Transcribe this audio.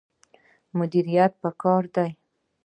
مدیریت پکار دی